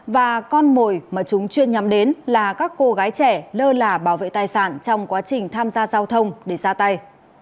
và con mồi mà chúng chuyên nhắm đến là các cô gái trẻ lơ lả bảo vệ tài sản trong quá trình tham gia giao thông để ra tay